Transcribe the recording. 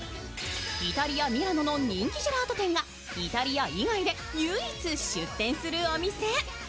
イタリア・ミラノの人気ジェラート店がイタリア以外で唯一出店するお店。